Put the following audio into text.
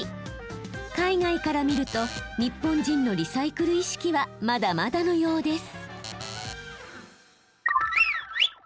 海外から見ると日本人のリサイクル意識はまだまだのようです。